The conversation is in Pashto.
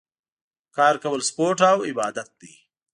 کار کول سپورټ او عبادت دی